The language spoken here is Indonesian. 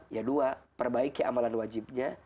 ya dua perbaiki amalan wajibnya